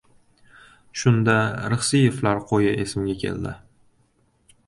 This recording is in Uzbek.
Shunda, Rixsiyevlar qo‘yi esimga keldi.